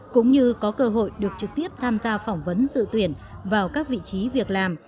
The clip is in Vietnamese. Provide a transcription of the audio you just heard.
cũng như có cơ hội được trực tiếp tham gia phỏng vấn dự tuyển vào các vị trí việc làm